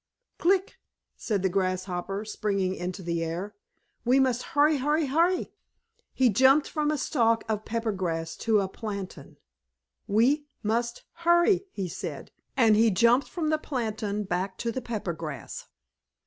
"Click!" said a Grasshopper, springing into the air. "We must hurry, hurry, hurry!" He jumped from a stalk of pepper grass to a plantain. "We must hurry," he said, and he jumped from the plantain back to the pepper grass.